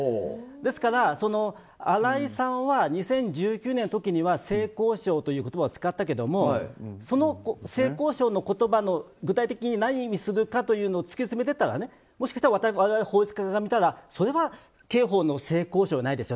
ですから、新井さんは２０１９年の時には性交渉という言葉を使ったけれどもその性交渉の言葉の具体的に何を意味するのかを突き詰めていったらもしかしたら我々、法律家が見たらそれは刑法の性交渉ではないですよ。